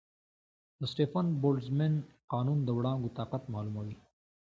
د سټیفن-بولټزمن قانون د وړانګو طاقت معلوموي.